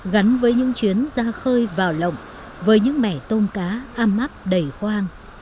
gắn với những chuyến ra khơi vào lộng với những mẻ tôm cá am mắp đầy khoang